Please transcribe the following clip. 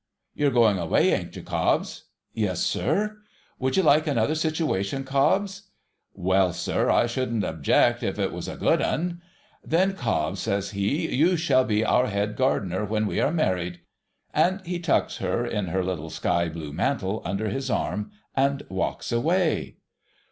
' You're going away, ain't you, Cobbs ?'' Yes, sir.' * Would you like another situation, Cobbs ?'' Well, sir, I shouldn't object, if it was a good 'un.' ' Then, Cobbs,' says he, * you shall be our Head Gardener when we are married.' And he tucks her, in her little sky blue mantle, under his arm, and walks away.